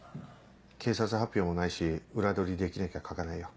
警察発表もないし裏取りできなきゃ書かないよ。